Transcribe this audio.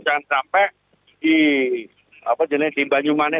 jangan sampai di banyumane